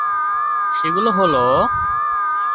সেগুলো হলোঃ